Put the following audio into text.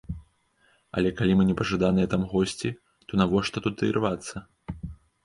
Але калі мы непажаданыя там госці, то навошта туды рвацца?